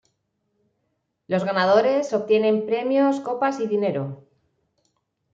Los ganadores obtienen premios copas y dinero.